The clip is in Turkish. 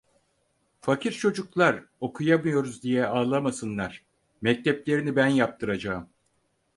Fakir çocuklar okuyamıyoruz diye ağlamasınlar, mekteplerini ben yaptıracağım.